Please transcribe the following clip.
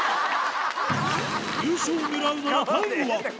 優勝狙うならタイムは？